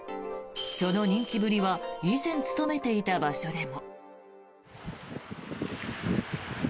その人気ぶりは以前勤めていた場所でも。